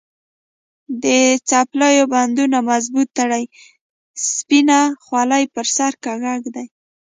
د څپلیو بندونه مضبوط تړي، سپینه خولې پر سر کږه ږدي.